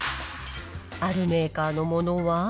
あるメーカーのものは。